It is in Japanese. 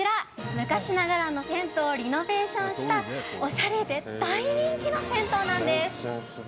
昔ながらの銭湯をリノベーションしたおしゃれで大人気の銭湯なんです。